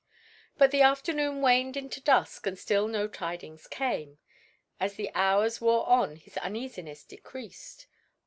But the afternoon waned into dusk and still no tidings came. As the hours wore on his uneasiness decreased.